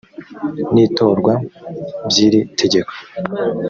n itorwa by iri tegeko